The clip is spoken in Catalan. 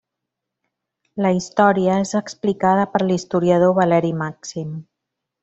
La història és explicada per l'historiador Valeri Màxim.